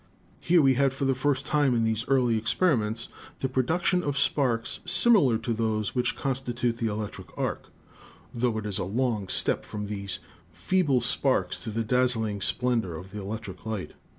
Here we had for the first time in these early experiments the production of sparks similar to those which constitute the electric arc ; tho it is a long step from these feeble sparks to the dazzling splendor of the electric light.